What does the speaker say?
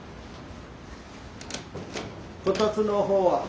こたつの方は。